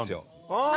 ああ。